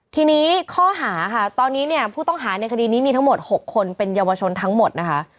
ทีนี้ข้อหาค่ะตอนนี้เนี่ยผู้ต้องหาในคดีนี้มีทั้งหมด๖คนเป็นเยาวชนทั้งหมดนะคะ